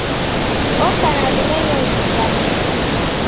Oko na lumenyo luzamie.